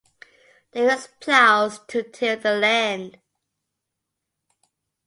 They used plows to till the land.